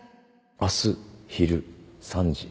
「明日」「昼」「三時」